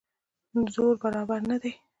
زور برابر نه دی.